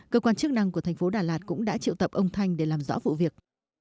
cơ quan chức năng của thành phố đà lạt cũng đã triệu tập ông thanh để làm rõ vụ việc